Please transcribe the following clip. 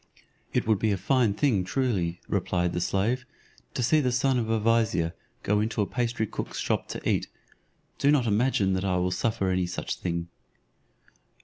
"It would be a fine thing truly," replied the slave, "to see the son of a vizier go into a pastry cook's shop to eat; do not imagine that I will suffer any such thing."